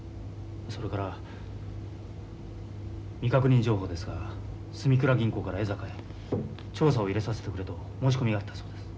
それから未確認情報ですが住倉銀行から江坂へ調査を入れさせてくれと申し込みがあったそうです。